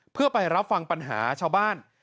เพื่อไปรับฟังปัญหาชาวบ้าน